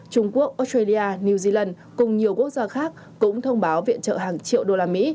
trung quốc australia new zealand cùng nhiều quốc gia khác cũng thông báo viện trợ hàng triệu usd